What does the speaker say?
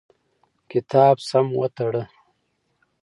کتاب سم وتړه.